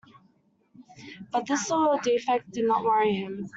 But this little defect did not worry him.